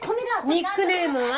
ニックネームは？